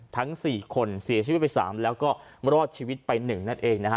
ทั้ง๔คนเสียชีวิตไป๓แล้วก็รอดชีวิตไป๑นั่นเองนะฮะ